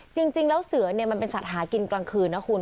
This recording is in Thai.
จริงแล้วเสือเนี่ยมันเป็นสัตว์หากินกลางคืนนะคุณ